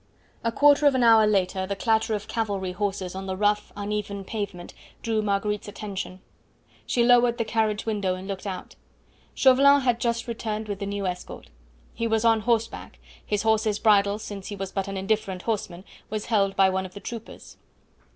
A quarter of an hour later the clatter of cavalry horses on the rough, uneven pavement drew Marguerite's attention. She lowered the carriage window and looked out. Chauvelin had just returned with the new escort. He was on horseback; his horse's bridle, since he was but an indifferent horseman, was held by one of the troopers.